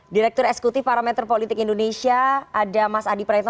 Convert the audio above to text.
direktur esekutif parameter politik indonesia ada mas adi pretno